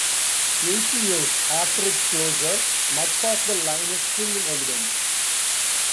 Eighty years after its closure, much of the line is still in evidence.